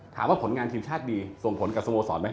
ผลงานทีมชาติดีส่งผลกับสโมสรไหม